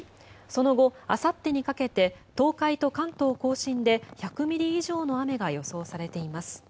その後、あさってにかけて東海と関東・甲信で１００ミリ以上の雨が予想されています。